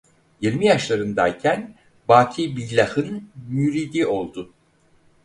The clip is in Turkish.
Yirmi yaşlarındayken Bâkî Billâh'ın müridi oldu.